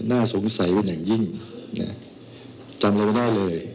น่าสงสัยเป็นอย่างยิ่งเนี่ยจำอะไรไม่ได้เลย